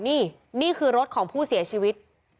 นี่นี่คือรถของผู้เสียชีวิต